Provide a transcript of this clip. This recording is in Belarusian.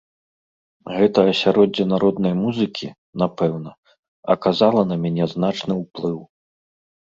Гэта асяроддзе народнай музыкі, напэўна, аказала на мяне значны ўплыў.